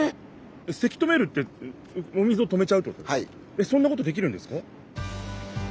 えっそんなことできるんですか？